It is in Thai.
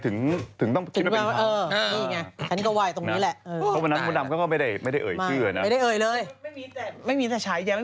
อืมถึงว่าแต่ไม่